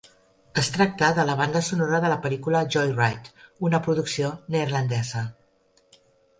Es tracta de la banda sonora de la pel·lícula "Joyride", una producció neerlandesa.